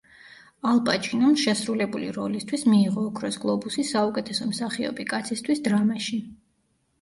ალ პაჩინომ შესრულებული როლისთვის მიიღო ოქროს გლობუსი საუკეთესო მსახიობი კაცისთვის დრამაში.